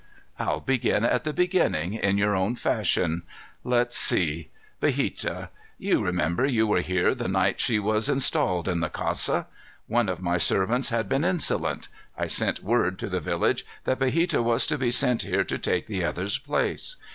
"I'll begin at the beginning, in your own fashion. Let's see. Biheta. You remember you were here the night she was installed in the casa? One of my servants had been insolent. I sent word to the village that Biheta was to be sent here to take the other's place.